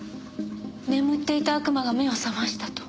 眠っていた悪魔が目を覚ましたと。